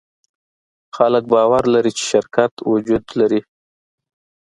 خلک باور لري، چې شرکت وجود لري.